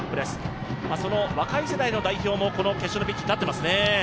その若い世代の代表もこの決勝のピッチに立っていますね。